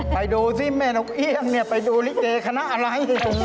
ไปดูสิแม่นกเอี่ยงไปดูลิเกคณะอะไร